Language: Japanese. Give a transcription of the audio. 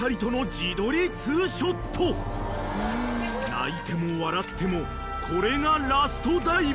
［泣いても笑ってもこれがラストダイブ］